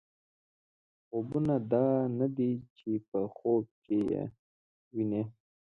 خوبونه دا نه دي چې په خوب کې یې وینئ.